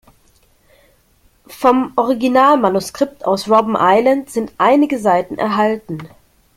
Vom Originalmanuskript aus Robben Island sind einige Seiten erhalten.